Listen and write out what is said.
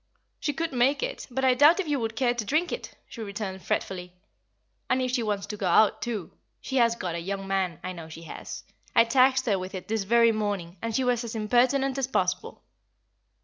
"She could make it, but I doubt if you would care to drink it," she returned, fretfully. "And she wants to go out, too. She has got a young man, I know she has; I taxed her with it this very morning, and she was as impertinent as possible."